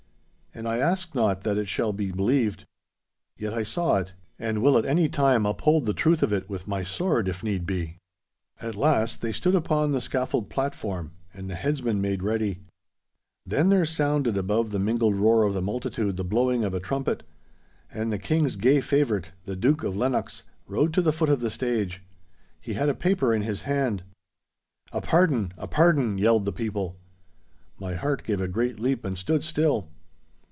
And I ask not that it shall be believed. Yet I saw it, and will at any time uphold the truth of it with my sword if need be. At last they stood upon the scaffold platform, and the headsman made ready. Then there sounded above the mingled roar of the multitude the blowing of a trumpet. And the King's gay favourite, the Duke of Lennox, rode to the foot of the stage. He had a paper in his hand. 'A pardon! A pardon!' yelled the people. My heart gave a great leap and stood still.